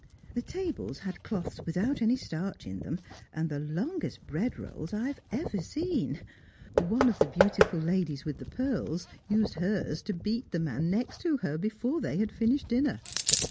The tables had cloths without any starch in them, and the longest bread rolls I have ever seen. One of the beautiful ladies with the pearls used hers to beat the man next to her before they had finished dinner.